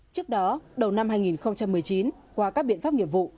trước đó đầu năm hai nghìn một mươi chín qua các biện pháp nghiệp vụ